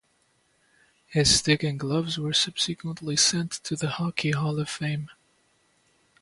His stick and gloves were subsequently sent to the Hockey Hall of Fame.